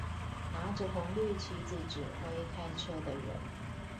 拿著紅綠旗子指揮開車的人